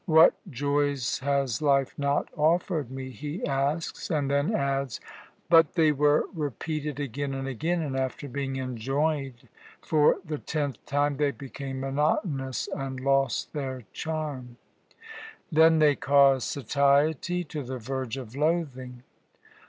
'What joys has life not offered me?' he asks, and then adds: 'But they were repeated again and again, and after being enjoyed for the tenth time they became monotonous and lost their charm. Then they caused satiety to the verge of loathing.'